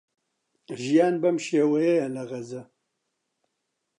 ژیان بەم شێوەیەیە لە غەزە.